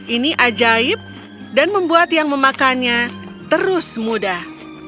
ini ajaib dan membuat yang memakannya terus mudah